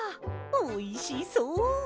おいしそう。